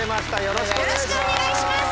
よろしくお願いします。